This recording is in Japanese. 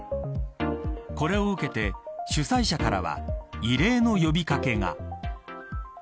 これを受けて主催者からは異例の呼び掛けが。